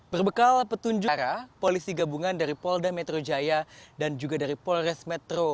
berbekal petunjuk polisi gabungan dari polda metro jaya dan juga dari polres metro